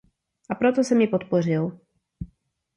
A proto jsem ji podpořil.